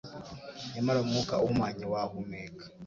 Nyamara umwuka uhumanye wahumeka